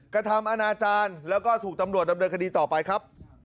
กระทำอนาจารย์แล้วก็ถูกตำรวจดำเนินคดีต่อไปครับ